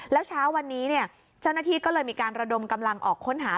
แล้วเช้าวันนี้เจ้าหน้าที่ก็เลยมีการระดมกำลังออกค้นหา